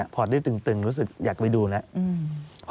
พอได้ตึงรู้สึกอยากไปดูแล้ว